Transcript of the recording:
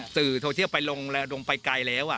สื่อโทรเชียลไปลงลงไปไกลแล้วอ่ะ